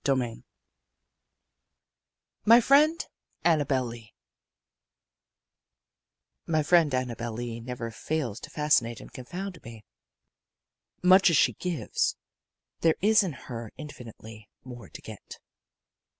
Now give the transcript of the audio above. III MY FRIEND ANNABEL LEE My friend Annabel Lee never fails to fascinate and confound me. Much as she gives, there is in her infinitely more to get.